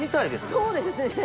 そうですね。